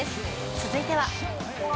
続いては。